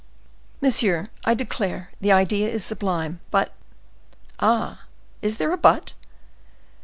"Monsieur, I declare the idea is sublime. But—" "Ah! is there a but?"